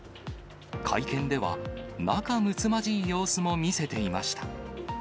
会見では、仲むつまじい様子も見せていました。